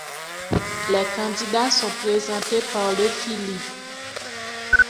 Les candidats sont présentés par le Fili.